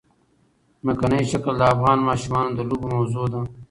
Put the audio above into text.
ځمکنی شکل د افغان ماشومانو د لوبو موضوع ده.